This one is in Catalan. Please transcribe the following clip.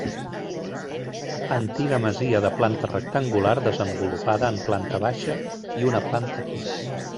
Antiga masia de planta rectangular desenvolupada en planta baixa i una planta pis.